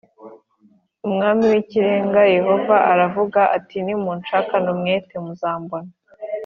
Umwami w’ Ikirenga Yehova aravuga ati nimunshakana umwete muzambona